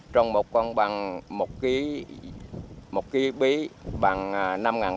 trong một con bằng một ký bí bằng năm tám trăm linh đồng